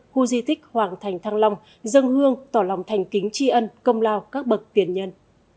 khu di tích hoàng thành thăng long dân hương tỏ lòng thành kính tri ân công lao các bậc tiền nhân